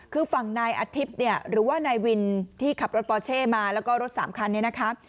คือฝั่งนายอาทิตย์เนี่ยหรือว่านายวินที่ขับรถปอเช่มาแล้วก็รถสามคันนี้นะคะ